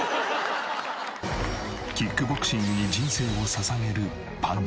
キックボクシングに人生を捧げるぱんちゃん。